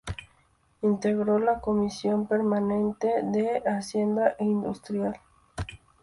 Integró la Comisión Permanente de Hacienda e Industria.